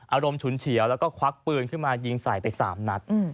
ฉุนเฉียวแล้วก็ควักปืนขึ้นมายิงใส่ไป๓นัด